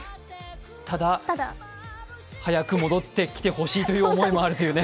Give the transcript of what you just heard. ただ早く戻ってきてほしいという思いもあるというね。